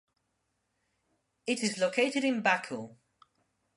It is located in Baku.